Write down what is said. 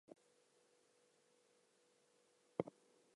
Thus, the government was unable to sustain funding this growth.